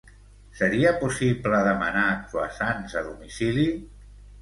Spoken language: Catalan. Seria possible demanar croissants a domicili?